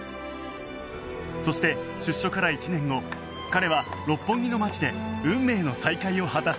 そして出所から１年後彼は六本木の街で運命の再会を果たす